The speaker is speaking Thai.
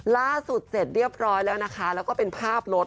เสร็จเรียบร้อยแล้วนะคะแล้วก็เป็นภาพรถ